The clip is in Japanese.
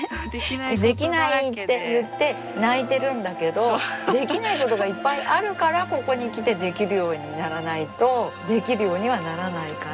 できないって言って泣いてるんだけどできないことがいっぱいあるからここに来てできるようにならないとできるようにはならないから。